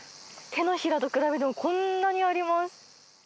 手のひらと比べてもこんなにあります。